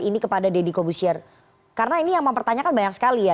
ini kepada deddy kobusier karena ini yang mempertanyakan banyak sekali ya